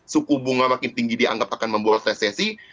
suku bunga makin tinggi dianggap akan membawa resesi